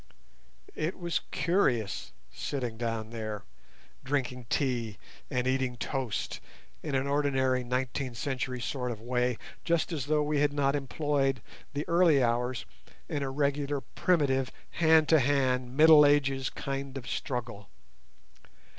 It was curious sitting down there, drinking tea and eating toast in an ordinary nineteenth century sort of way just as though we had not employed the early hours in a regular primitive hand to hand Middle Ages kind of struggle.